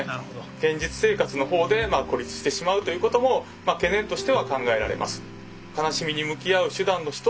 現実生活の方で孤立してしまうということも懸念としては考えられます。